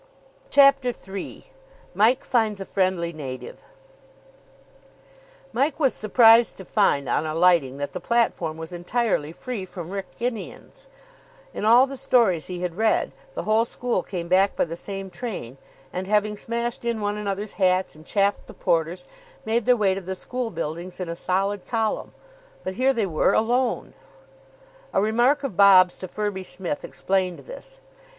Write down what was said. CHAPTER III MIKE FINDS A FRIENDLY NATIVE Mike was surprised to find, on alighting, that the platform was entirely free from Wrykynians. In all the stories he had read the whole school came back by the same train, and, having smashed in one another's hats and chaffed the porters, made their way to the school buildings in a solid column. But here they were alone. A remark of Bob's to Firby Smith explained this.